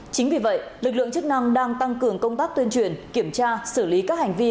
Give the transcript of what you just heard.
chính vì vậy lực lượng chức năng đang tăng cường công tác tuyên truyền kiểm tra xử lý các hành vi